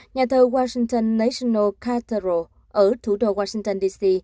nhà thờ washington national cathedral ở thủ đô washington d c